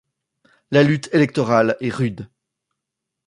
La lutte électorale est rude.